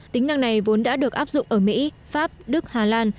tính năng này vốn đã được áp dụng ở mỹ pháp đức hà lan